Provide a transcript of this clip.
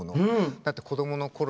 だって子どものころ